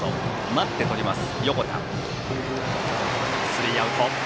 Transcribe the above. スリーアウト。